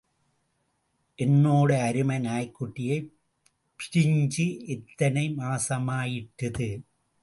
என்னோட அருமை நாய்க்குட்டியைப் பிரிஞ்சு எத்தனை மாசமாயிட்டது?